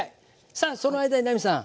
さあその間に奈実さん。